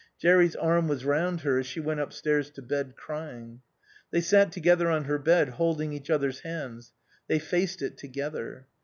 Jerry's arm was round her as she went upstairs to bed, crying. They sat together on her bed, holding each other's hands; they faced it together.